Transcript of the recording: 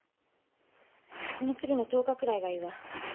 この次の１０日くらいがいいわ。